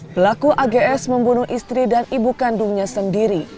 pelaku ags membunuh istri dan ibu kandungnya sendiri